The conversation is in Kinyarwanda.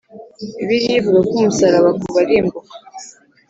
bibiliya ivuga ko umusaraba ku barimbuka